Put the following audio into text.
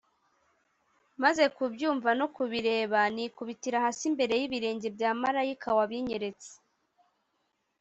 Maze kubyumva no kubireba nikubitira hasi imbere y’ibirenge bya marayika wabinyeretse,